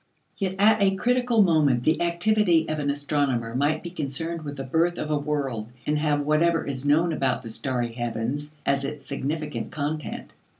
Yet at a critical moment, the activity of an astronomer might be concerned with the birth of a world, and have whatever is known about the starry heavens as its significant content.